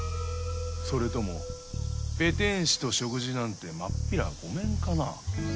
それともペテン師と食事なんてまっぴらごめんかな？